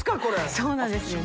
そうなんですよね。